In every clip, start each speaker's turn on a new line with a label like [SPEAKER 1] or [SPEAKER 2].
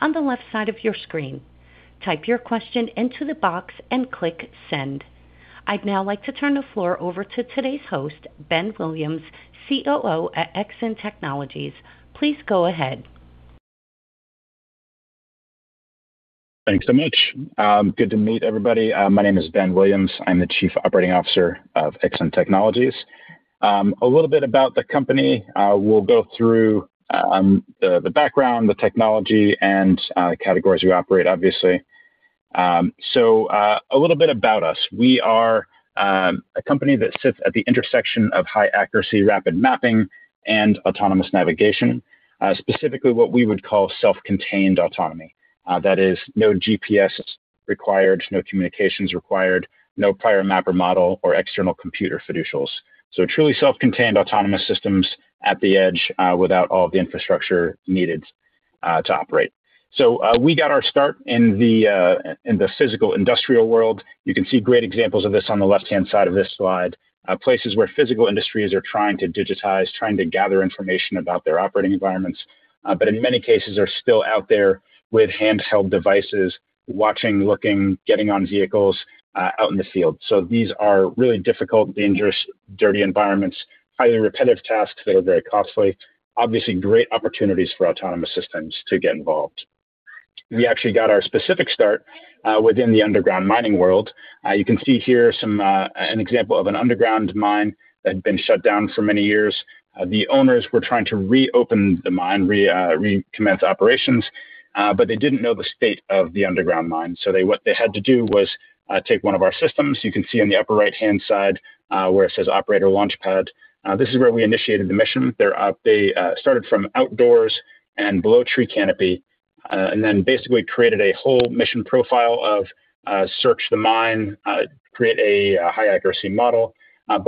[SPEAKER 1] On the left side of your screen, type your question into the box and click send. I'd now like to turn the floor over to today's host, Ben Williams, COO at Exyn Technologies. Please go ahead.
[SPEAKER 2] Thanks so much. Good to meet everybody. My name is Ben Williams. I'm the Chief Operating Officer of Exyn Technologies. A little bit about the company. We'll go through the background, the technology, and the categories we operate, obviously. A little bit about us. We are a company that sits at the intersection of high accuracy, rapid mapping, and autonomous navigation. Specifically, what we would call self-contained autonomy. That is no GPS required, no communications required, no prior map or model, or external computer fiducials. Truly self-contained autonomous systems at the edge, without all of the infrastructure needed to operate. We got our start in the physical industrial world. You can see great examples of this on the left-hand side of this slide. Places where physical industries are trying to digitize, trying to gather information about their operating environments. In many cases, are still out there with handheld devices, watching, looking, getting on vehicles out in the field. These are really difficult, dangerous, dirty environments, highly repetitive tasks that are very costly. Obviously, great opportunities for autonomous systems to get involved. We actually got our specific start within the underground mining world. You can see here an example of an underground mine that had been shut down for many years. The owners were trying to reopen the mine, recommence operations, but they didn't know the state of the underground mine. What they had to do was take one of our systems. You can see on the upper right-hand side, where it says operator launch pad. This is where we initiated the mission. They started from outdoors and below tree canopy, then basically created a whole mission profile of search the mine, create a high accuracy model.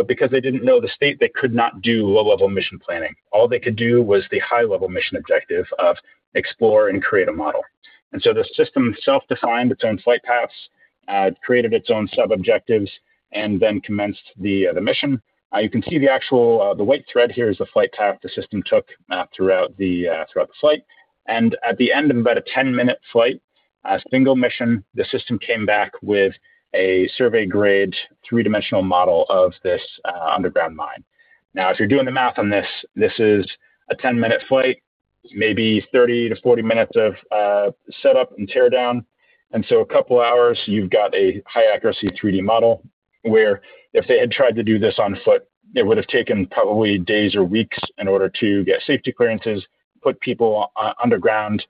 [SPEAKER 2] Because they didn't know the state, they could not do low-level mission planning. All they could do was the high level mission objective of explore and create a model. The system self-defined its own flight paths, created its own sub-objectives, then commenced the mission. You can see the actual, the white thread here is the flight path the system took mapped throughout the flight. At the end of about a 10-minute flight, a single mission, the system came back with a survey-grade three-dimensional model of this underground mine. Now, if you're doing the math on this is a 10-minute flight, maybe 30-40 minutes of set up and tear down. A couple of hours, you've got a high accuracy 3D model, where if they had tried to do this on foot, it would have taken probably days or weeks in order to get safety clearances, put people underground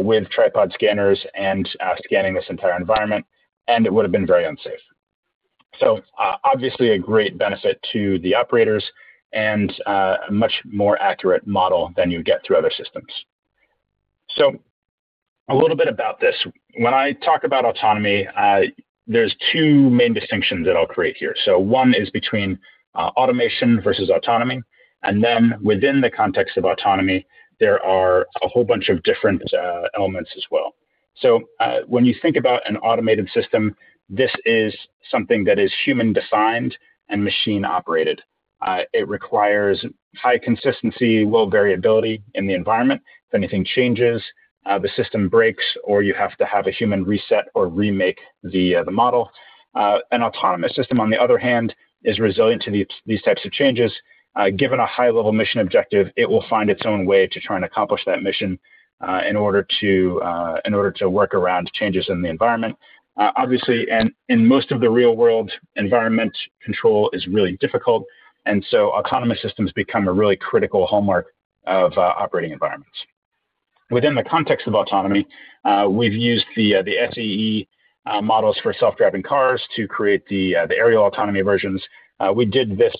[SPEAKER 2] with tripod scanners and scanning this entire environment, and it would've been very unsafe. Obviously a great benefit to the operators, and a much more accurate model than you would get through other systems. A little bit about this. When I talk about autonomy, there's two main distinctions that I'll create here. One is between automation versus autonomy, and then within the context of autonomy, there are a whole bunch of different elements as well. When you think about an automated system, this is something that is human designed and machine operated. It requires high consistency, low variability in the environment. If anything changes, the system breaks, or you have to have a human reset or remake the model. An autonomous system, on the other hand, is resilient to these types of changes. Given a high level mission objective, it will find its own way to try and accomplish that mission in order to work around changes in the environment. Obviously, in most of the real world, environment control is really difficult, autonomous systems become a really critical hallmark of operating environments. Within the context of autonomy, we've used the SAE models for self-driving cars to create the aerial autonomy versions. We did this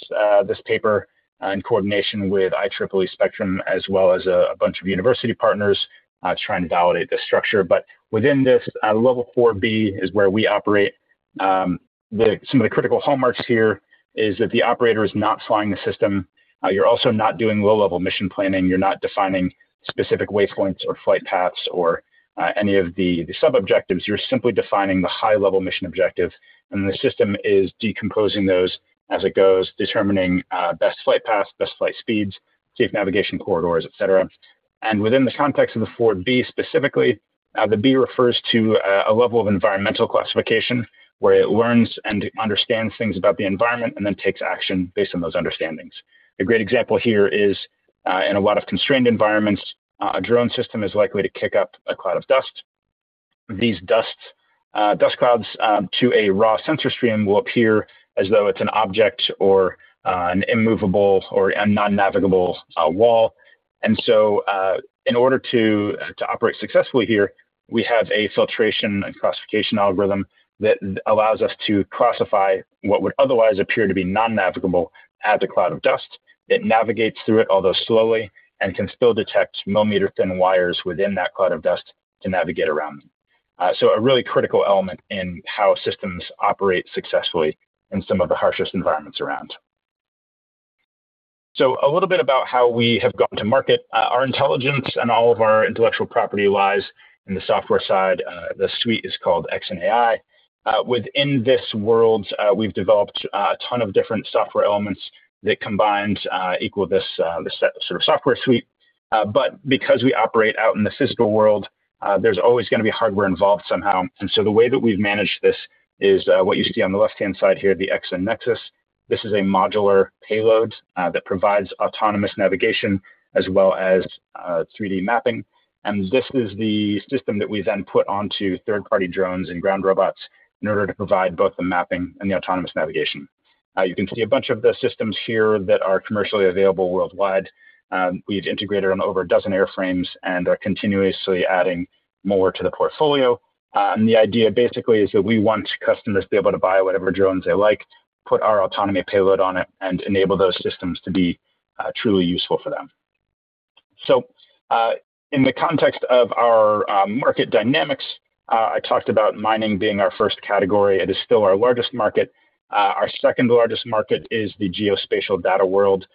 [SPEAKER 2] paper in coordination with IEEE Spectrum, as well as a bunch of university partners, trying to validate this structure. Within this, level 4B is where we operate. Some of the critical hallmarks here is that the operator is not flying the system. You're also not doing low-level mission planning. You're not defining specific way points or flight paths or any of the sub-objectives. You're simply defining the high-level mission objective, and the system is decomposing those as it goes, determining best flight paths, best flight speeds, safe navigation corridors, et cetera. Within the context of the 4B specifically, the B refers to a level of environmental classification where it learns and understands things about the environment and then takes action based on those understandings. A great example here is, in a lot of constrained environments, a drone system is likely to kick up a cloud of dust. These dust clouds to a raw sensor stream will appear as though it's an object or an immovable or a non-navigable wall. In order to operate successfully here, we have a filtration and classification algorithm that allows us to classify what would otherwise appear to be non-navigable as a cloud of dust. It navigates through it, although slowly, and can still detect millimeter thin wires within that cloud of dust to navigate around. A really critical element in how systems operate successfully in some of the harshest environments around. A little bit about how we have gone to market. Our intelligence and all of our intellectual property lies in the software side. The suite is called ExynAI. Within this world, we've developed a ton of different software elements that combined equal this sort of software suite. Because we operate out in the physical world, there's always going to be hardware involved somehow. The way that we've managed this is what you see on the left-hand side here, the Exyn Nexys. This is a modular payload that provides autonomous navigation as well as 3D mapping. This is the system that we then put onto third-party drones and ground robots in order to provide both the mapping and the autonomous navigation. You can see a bunch of the systems here that are commercially available worldwide. We've integrated on over a dozen airframes and are continuously adding more to the portfolio. The idea basically is that we want customers to be able to buy whatever drones they like, put our autonomy payload on it, and enable those systems to be truly useful for them. In the context of our market dynamics, I talked about mining being our first category. It is still our largest market. Our second-largest market is the geospatial data world.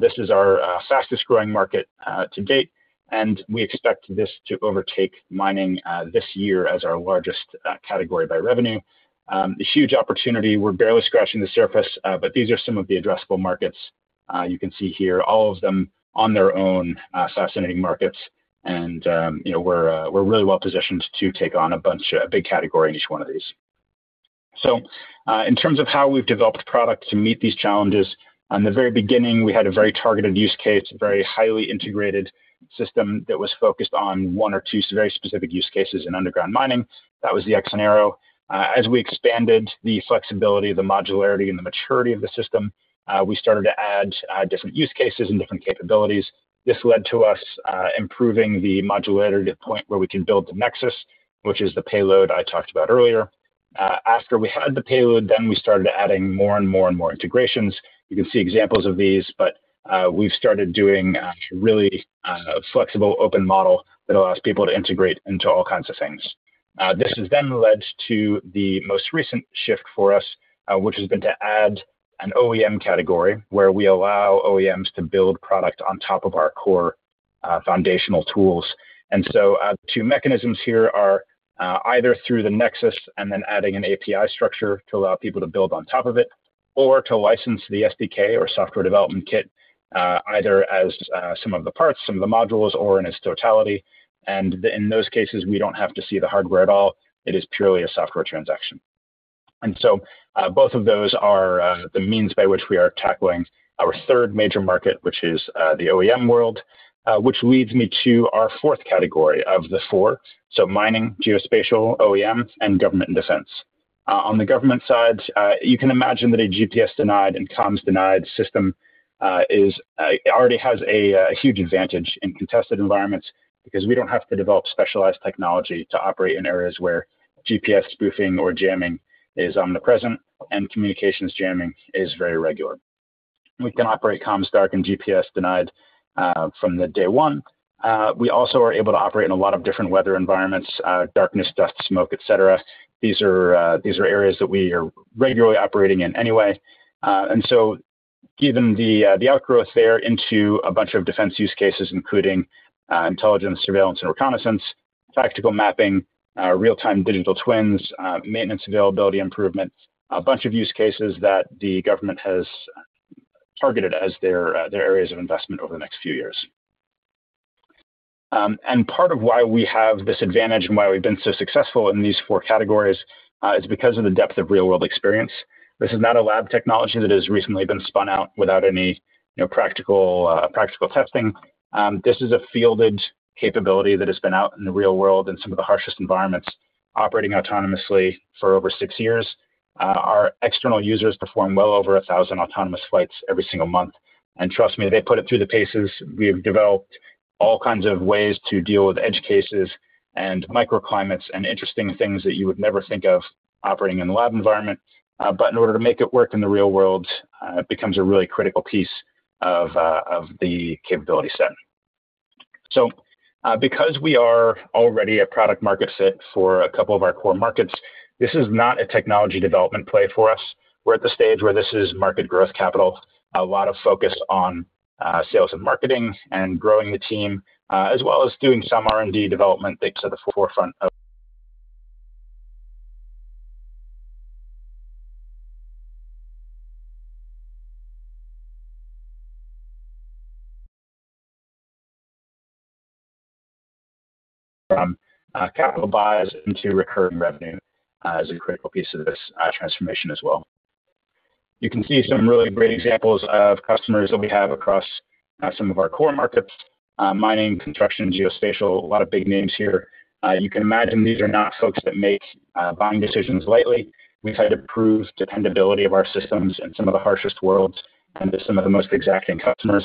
[SPEAKER 2] This is our fastest growing market to date, and we expect this to overtake mining this year as our largest category by revenue. A huge opportunity. We're barely scratching the surface. These are some of the addressable markets. You can see here all of them on their own fascinating markets. We're really well positioned to take on a bunch, a big category in each one of these. In terms of how we've developed product to meet these challenges, on the very beginning, we had a very targeted use case, very highly integrated system that was focused on one or two very specific use cases in underground mining. That was the ExynAero. As we expanded the flexibility, the modularity, and the maturity of the system, we started to add different use cases and different capabilities. This led to us improving the modularity to the point where we can build the Nexys, which is the payload I talked about earlier. After we had the payload, then we started adding more and more integrations. You can see examples of these, but we've started doing a really flexible open model that allows people to integrate into all kinds of things. This has then led to the most recent shift for us, which has been to add an OEM category, where we allow OEMs to build product on top of our core foundational tools. The two mechanisms here are either through the Nexys and then adding an API structure to allow people to build on top of it, or to license the SDK or software development kit, either as some of the parts, some of the modules, or in its totality. In those cases, we don't have to see the hardware at all. It is purely a software transaction. Both of those are the means by which we are tackling our third major market, which is the OEM world, which leads me to our fourth category of the four. Mining, geospatial, OEM, and government and defense. On the government side, you can imagine that a GPS denied and comms denied system already has a huge advantage in contested environments because we don't have to develop specialized technology to operate in areas where GPS spoofing or jamming is omnipresent and communications jamming is very regular. We can operate comms dark and GPS denied from the day one. We also are able to operate in a lot of different weather environments, darkness, dust, smoke, et cetera. These are areas that we are regularly operating in anyway. Given the outgrowth there into a bunch of defense use cases, including intelligence, surveillance, and reconnaissance, tactical mapping, real-time digital twins, maintenance availability improvement, a bunch of use cases that the government has targeted as their areas of investment over the next few years. Part of why we have this advantage and why we've been so successful in these four categories is because of the depth of real-world experience. This is not a lab technology that has recently been spun out without any practical testing. This is a fielded capability that has been out in the real world in some of the harshest environments, operating autonomously for over six years. Our external users perform well over 1,000 autonomous flights every single month. Trust me, they put it through the paces. We have developed all kinds of ways to deal with edge cases and microclimates and interesting things that you would never think of operating in a lab environment. In order to make it work in the real world, it becomes a really critical piece of the capability set. Because we are already a product market fit for a couple of our core markets, this is not a technology development play for us. We're at the stage where this is market growth capital, a lot of focus on sales and marketing and growing the team, as well as doing some R&D development thanks to the forefront of capital buys into recurring revenue is a critical piece of this transformation as well. You can see some really great examples of customers that we have across some of our core markets, mining, construction, geospatial, a lot of big names here. You can imagine these are not folks that make buying decisions lightly. We've had to prove dependability of our systems in some of the harshest worlds and to some of the most exacting customers.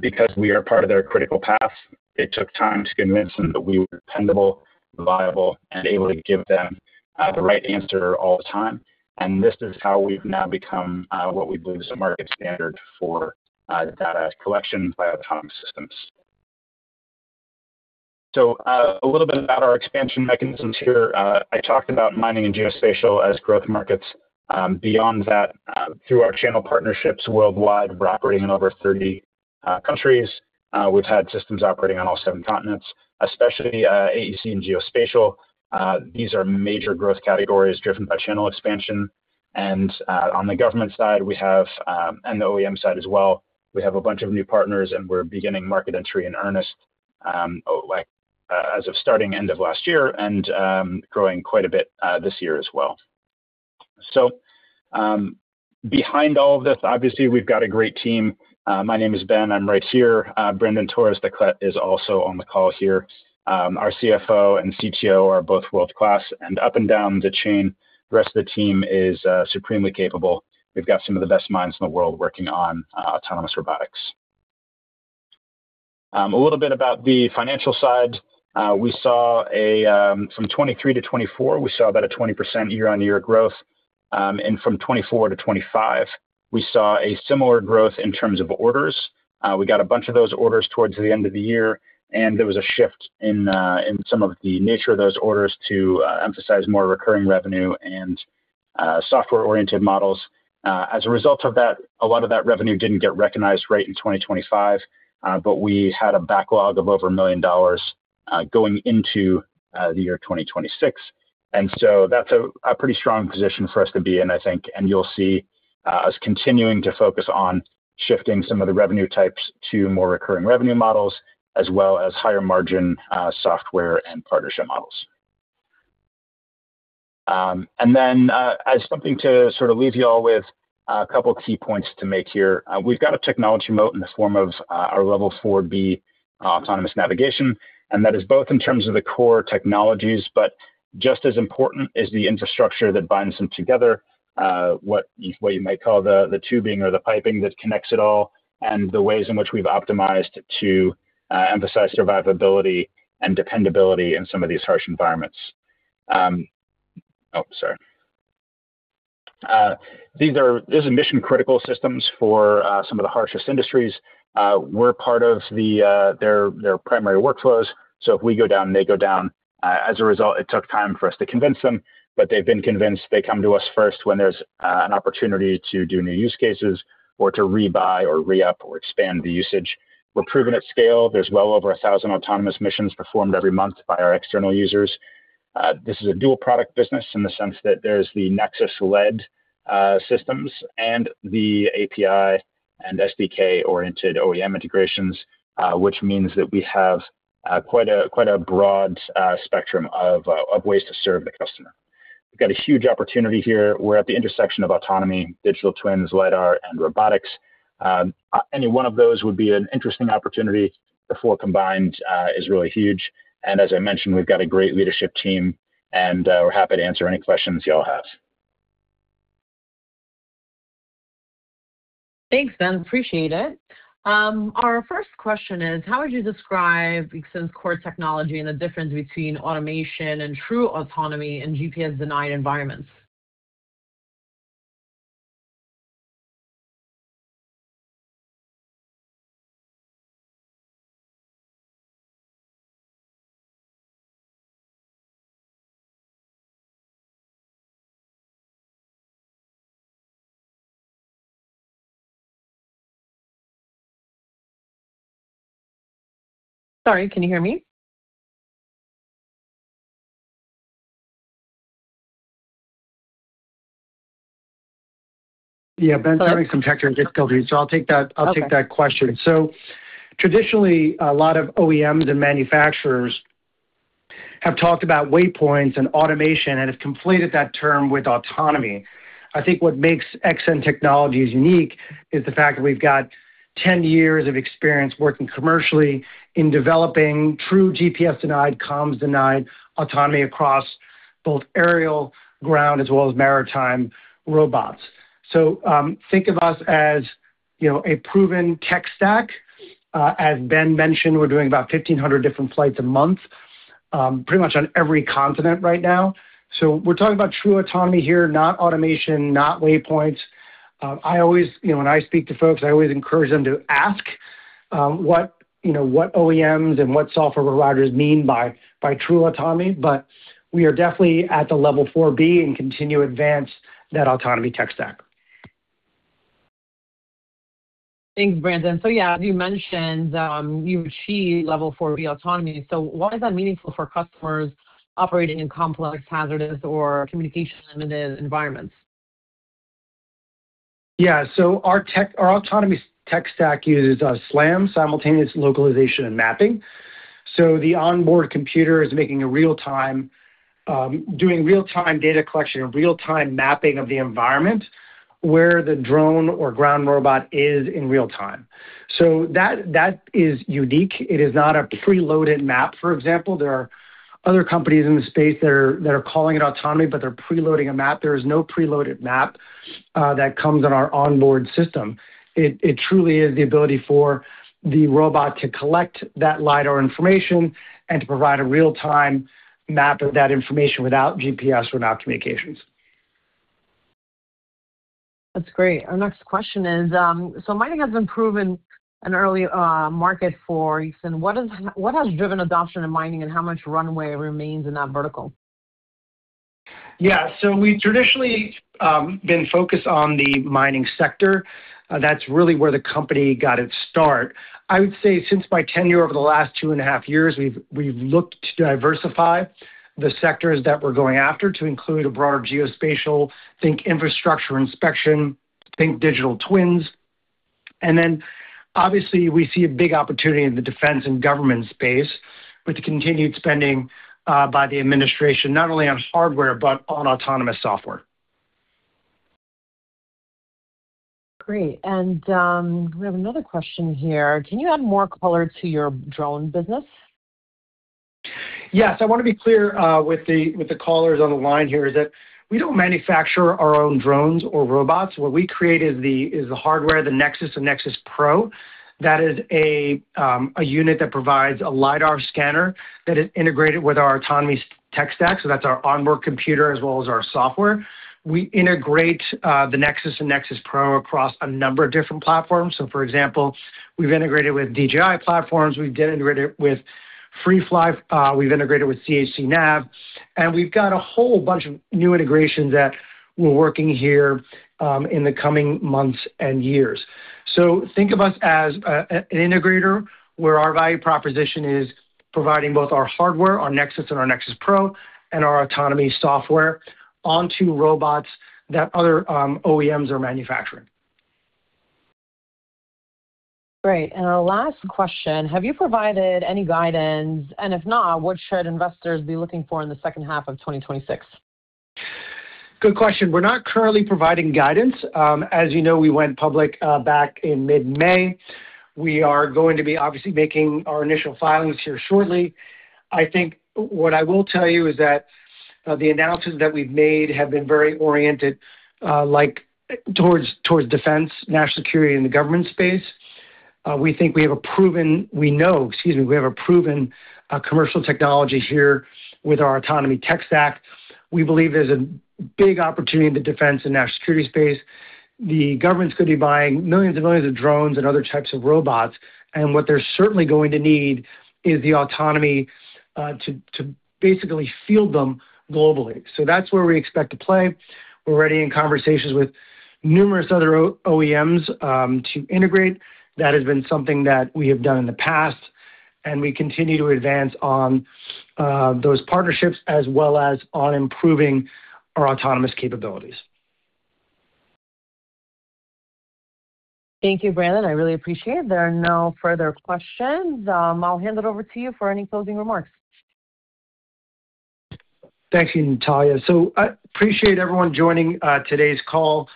[SPEAKER 2] Because we are part of their critical path, it took time to convince them that we were dependable, reliable, and able to give them the right answer all the time. This is how we've now become what we believe is a market standard for data collection by autonomous systems. A little bit about our expansion mechanisms here. I talked about mining and geospatial as growth markets. Beyond that, through our channel partnerships worldwide, we're operating in over 30 countries. We've had systems operating on all seven continents, especially AEC and geospatial. These are major growth categories driven by channel expansion. On the government side, and the OEM side as well, we have a bunch of new partners, and we're beginning market entry in earnest as of starting end of last year, and growing quite a bit this year as well. Behind all of this, obviously, we've got a great team. My name is Ben. I'm right here. Brandon Torres Declet is also on the call here. Our CFO and CTO are both world-class. Up and down the chain, the rest of the team is supremely capable. We've got some of the best minds in the world working on autonomous robotics. A little bit about the financial side. From 2023 to 2024, we saw about a 20% year-on-year growth. From 2024 to 2025, we saw a similar growth in terms of orders. We got a bunch of those orders towards the end of the year. There was a shift in some of the nature of those orders to emphasize more recurring revenue and software-oriented models. As a result of that, a lot of that revenue didn't get recognized right in 2025. We had a backlog of over $1 million going into the year 2026. That's a pretty strong position for us to be in, I think, and you'll see us continuing to focus on shifting some of the revenue types to more recurring revenue models, as well as higher margin software and partnership models. As something to sort of leave you all with, a couple key points to make here. We've got a technology moat in the form of our Level 4B autonomous navigation. That is both in terms of the core technologies, but just as important is the infrastructure that binds them together, what you might call the tubing or the piping that connects it all, and the ways in which we've optimized to emphasize survivability and dependability in some of these harsh environments. Oh, sorry. These are mission-critical systems for some of the harshest industries. We're part of their primary workflows, so if we go down, they go down. As a result, it took time for us to convince them, but they've been convinced. They come to us first when there's an opportunity to do new use cases or to rebuy or re-up or expand the usage. We're proven at scale. There's well over 1,000 autonomous missions performed every month by our external users. This is a dual product business in the sense that there's the Nexys-led systems and the API and SDK-oriented OEM integrations, which means that we have quite a broad spectrum of ways to serve the customer. We've got a huge opportunity here. We're at the intersection of autonomy, digital twins, lidar, and robotics. Any one of those would be an interesting opportunity. The four combined is really huge. As I mentioned, we've got a great leadership team, and we're happy to answer any questions you all have.
[SPEAKER 3] Thanks, Ben. Appreciate it. Our first question is: How would you describe Exyn's core technology and the difference between automation and true autonomy in GPS-denied environments? Sorry, can you hear me?
[SPEAKER 4] Yeah, Ben.
[SPEAKER 3] Sorry.
[SPEAKER 4] Brandon from Exyn Technologies gets to go through, I'll take that question.
[SPEAKER 3] Okay.
[SPEAKER 4] Traditionally, a lot of OEMs and manufacturers have talked about waypoints and automation and have conflated that term with autonomy. I think what makes Exyn Technologies unique is the fact that we've got 10 years of experience working commercially in developing true GPS-denied, comms-denied autonomy across both aerial, ground, as well as maritime robots. Think of us as a proven tech stack. As Ben mentioned, we're doing about 1,500 different flights a month, pretty much on every continent right now. We're talking about true autonomy here, not automation, not waypoints. When I speak to folks, I always encourage them to ask what OEMs and what software providers mean by true autonomy. We are definitely at the Level 4B and continue to advance that autonomy tech stack.
[SPEAKER 3] Thanks, Brandon. Yeah, you mentioned you achieve Level 4B autonomy. Why is that meaningful for customers operating in complex, hazardous, or communication-limited environments?
[SPEAKER 4] Yeah. Our autonomy tech stack uses SLAM, simultaneous localization and mapping. The onboard computer is doing real-time data collection and real-time mapping of the environment where the drone or ground robot is in real time. That is unique. It is not a preloaded map. For example, there are other companies in the space that are calling it autonomy, but they're pre-loading a map. There is no preloaded map that comes on our onboard system. It truly is the ability for the robot to collect that lidar information and to provide a real-time map of that information without GPS, without communications.
[SPEAKER 3] That's great. Our next question is, mining has been proven an early market for Exyn. What has driven adoption in mining, and how much runway remains in that vertical?
[SPEAKER 4] Yeah. We've traditionally been focused on the mining sector. That's really where the company got its start. I would say since my tenure over the last two and a half years, we've looked to diversify the sectors that we're going after to include a broader geospatial, think infrastructure inspection, think digital twins. Obviously we see a big opportunity in the defense and government space with the continued spending by the administration, not only on hardware but on autonomous software.
[SPEAKER 3] Great. We have another question here: Can you add more color to your drone business?
[SPEAKER 4] I want to be clear with the callers on the line here, is that we don't manufacture our own drones or robots. What we create is the hardware, the Nexys and Nexys Pro. That is a unit that provides a lidar scanner that is integrated with our autonomy tech stack. That's our onboard computer as well as our software. We integrate the Nexys and Nexys Pro across a number of different platforms. For example, we've integrated with DJI platforms, we've integrated with Freefly, we've integrated with CACI, and we've got a whole bunch of new integrations that we're working here in the coming months and years. Think of us as an integrator where our value proposition is providing both our hardware, our Nexys and our Nexys Pro, and our autonomy software onto robots that other OEMs are manufacturing.
[SPEAKER 3] Great, our last question: Have you provided any guidance, and if not, what should investors be looking for in the second half of 2026?
[SPEAKER 4] Good question. We're not currently providing guidance. As you know, we went public back in mid-May. We are going to be obviously making our initial filings here shortly. I think what I will tell you is that the announcements that we've made have been very oriented towards defense, national security, and the government space. We think we have a proven commercial technology here with our autonomy tech stack. We believe there's a big opportunity in the defense and national security space. The government's going to be buying millions and millions of drones and other types of robots, and what they're certainly going to need is the autonomy to basically field them globally. That's where we expect to play. We're already in conversations with numerous other OEMs to integrate. That has been something that we have done in the past, and we continue to advance on those partnerships as well as on improving our autonomous capabilities.
[SPEAKER 3] Thank you, Brandon. I really appreciate it. There are no further questions. I'll hand it over to you for any closing remarks.
[SPEAKER 4] Thank you, Natalia. I appreciate everyone joining today's call.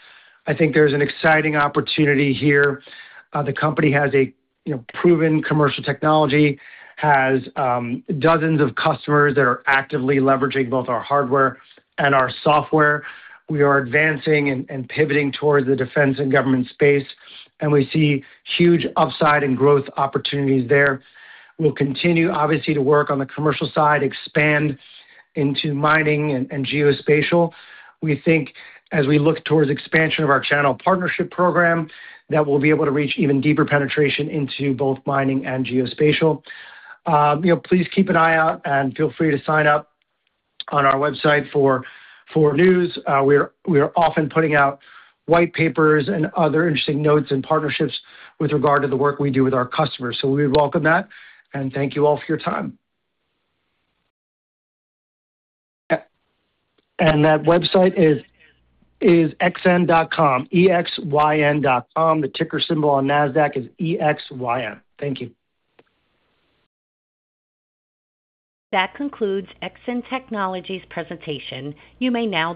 [SPEAKER 4] I think there's an exciting opportunity here. The company has a proven commercial technology, has dozens of customers that are actively leveraging both our hardware and our software. We are advancing and pivoting towards the defense and government space, and we see huge upside and growth opportunities there. We'll continue, obviously, to work on the commercial side, expand into mining and geospatial. We think as we look towards expansion of our channel partnership program, that we'll be able to reach even deeper penetration into both mining and geospatial. Please keep an eye out and feel free to sign up on our website for news. We are often putting out white papers and other interesting notes and partnerships with regard to the work we do with our customers. We welcome that, and thank you all for your time. That website is exyn.com, EXYN.com. The ticker symbol on Nasdaq is EXYN. Thank you.
[SPEAKER 1] That concludes Exyn Technologies' presentation. You may now